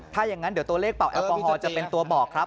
ถ้าอย่างนั้นเดี๋ยวตัวเลขเป่าแอลกอฮอลจะเป็นตัวบอกครับ